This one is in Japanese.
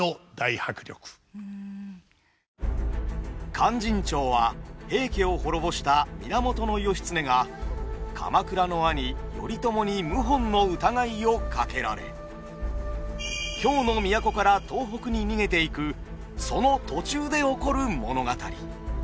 「勧進帳」は平家を滅ぼした源義経が鎌倉の兄頼朝に謀反の疑いをかけられ京の都から東北に逃げていくその途中で起こる物語。